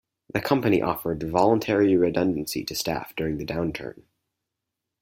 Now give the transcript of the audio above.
The company offered voluntary redundancy to staff during the downturn.